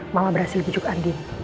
mama berhasil pujuk andi